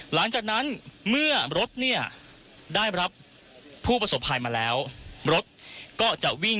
หลังจากนั้นเมื่อรถได้รับผู้ประสบภัยมาแล้ว